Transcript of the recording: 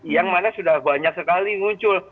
yang mana sudah banyak sekali muncul